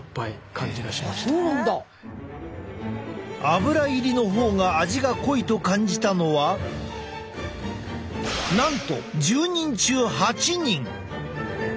アブラ入りの方が味が濃いと感じたのはなんと１０人中８人！